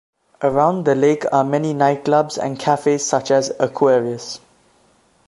Around the lake are many nightclubs and cafes such as Aquarius.